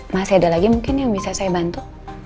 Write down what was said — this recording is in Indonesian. masih ada lagi mungkin yang bisa saya bantu